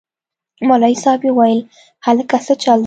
مولوي صاحب وويل هلکه سه چل دې.